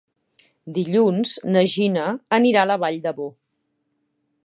Dilluns na Gina anirà a la Vall d'Ebo.